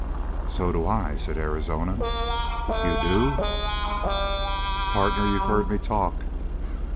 "So do I," said Arizona. "You do?" "Partner, you've heard me talk!"